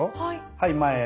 はい前へ。